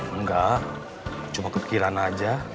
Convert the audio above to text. enggak cuma kepikiran aja